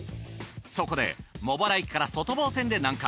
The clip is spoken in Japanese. そこで茂原駅から外房線で南下。